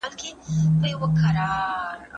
ما د ارواپوهني په رڼا کي د هغه چلند وڅېړل.